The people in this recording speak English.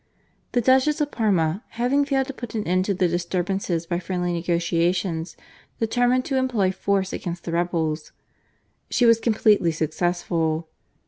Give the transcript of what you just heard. The Duchess of Parma, having failed to put an end to the disturbances by friendly negotiations, determined to employ force against the rebels. She was completely successful.